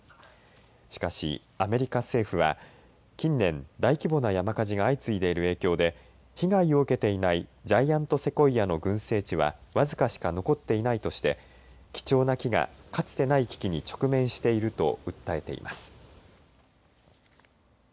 しかしアメリカ政府は近年、大規模な山火事が相次いでいる影響で被害を受けていないジャイアント・セコイアの群生地は僅かしか残っていないとして貴重な木がかつてない危機に直面していると訴えています。